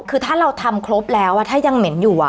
คือถ้าเราทำครบแล้วถ้ายังเหม็นอยู่